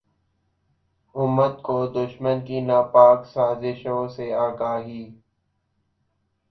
امت کو دشمن کی ناپاک سازشوں سے آگاہی